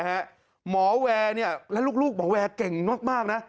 หมอแวเนี่ยแล้วลูกหมอแวเก่งมากนะ